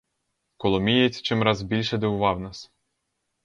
Коломієць чимраз більше дивував нас.